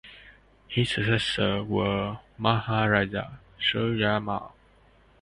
His successor was Maharaja Suraj Mal.